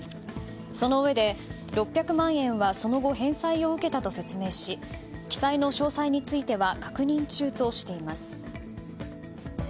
そのうえで６００万円はその後、返済を受けたと説明し記載の詳細については確認中としています。